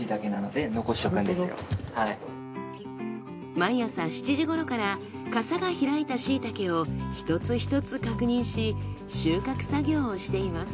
毎朝７時頃からかさが開いたしいたけを一つ一つ確認し収穫作業をしています。